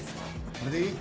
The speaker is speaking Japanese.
これでいい？